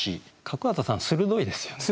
角幡さん鋭いですよね。